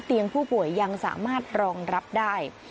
เตียงผู้ป่วยยังสามารถรองรับได้